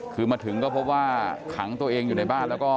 คือมาถึงก็พบว่าขังตัวเองอยู่ในบ้านแล้วก็